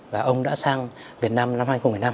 và ông đã sang việt nam năm hai nghìn một mươi năm